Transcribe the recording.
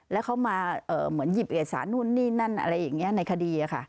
แล้วเขามาเหมือนหยิบเอกสารนู่นนี่นั่นอะไรอย่างนี้ในคดีค่ะ